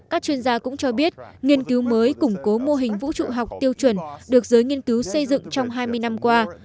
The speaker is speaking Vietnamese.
các chuyên gia cũng cho biết nghiên cứu mới củng cố mô hình vũ trụ học tiêu chuẩn được giới nghiên cứu xây dựng trong hai mươi năm qua